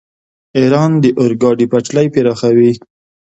ایران د اورګاډي پټلۍ پراخوي.